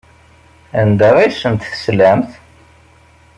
Anda ay asent-teslamt?